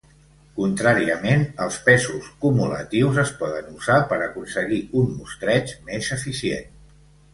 Contràriament, els pesos cumulatius es poden usar per aconseguir un mostreig més eficient.